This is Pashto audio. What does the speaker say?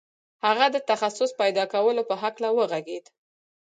هغه د تخصص پیدا کولو په هکله وغږېد